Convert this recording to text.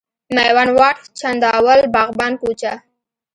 میوند واټ، چنداول، باغبان کوچه،